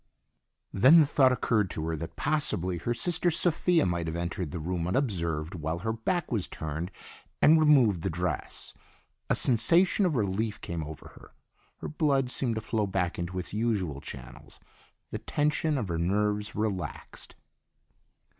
Then the thought occurred to her that possibly her sister Sophia might have entered the room unobserved while her back was turned and removed the dress. A sensation of relief came over her. Her blood seemed to flow back into its usual channels; the tension of her nerves relaxed.